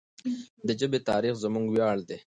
د ژبې تاریخ زموږ ویاړ دی.